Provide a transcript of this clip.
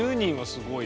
すごい。